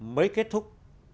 mới kết thúc